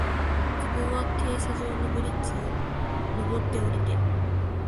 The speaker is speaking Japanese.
自分は停車場のブリッジを、上って、降りて、